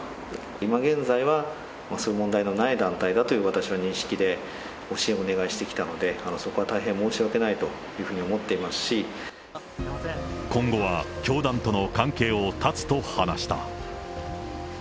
今現在はそういう問題のない団体だという、私の認識で、ご支援をお願いしてきたので、そこは大変申し訳ないというふうに今後は教団との関係を断つと話した。